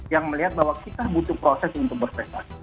yang melihat bahwa kita butuh proses untuk berprestasi